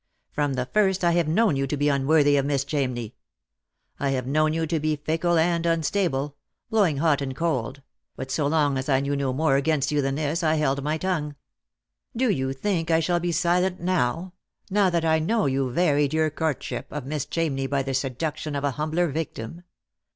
" From the first I have known you to be unworthy of Miss Chamney. I have known you to be fickle and unstable — blowing hot and cold ; but so long as I knew no more against you than this, I held my tongue. Do you think I shall be silent now — now that I know you varied your courtship of Miss Chamney by the seduction of a humbler victim